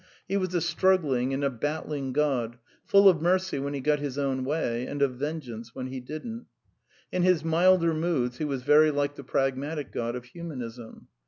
He was a struggling and a ISttli^iiod ; lull of mercy when he got his own way, and of vengeance when he didn't. In his milder moods he was very like the pragmatic God of Humanism.